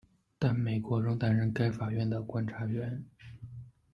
但美国仍担任该法院的观察员。